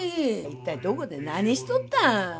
一体どこで何しとった？